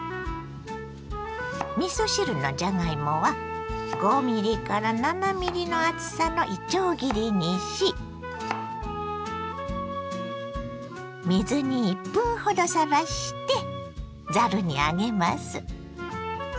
みそ汁のじゃがいもは５７ｍｍの厚さのいちょう切りにし水に１分ほどさらしてざるに上げます。